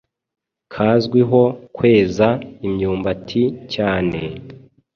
kazwiho kweza imyumbati cyane,